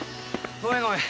ごめんごめん。